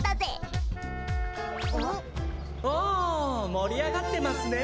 おおもりあがってますね！